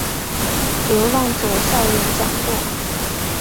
流浪者校园讲座